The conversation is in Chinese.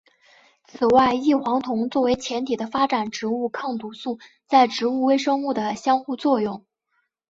此外异黄酮作为前体的发展植物抗毒素在植物微生物的相互作用。